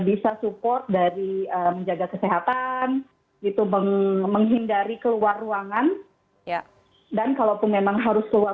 bisa support dari menjaga kesehatan itu menghindari keluar ruangan dan kalaupun memang harus keluar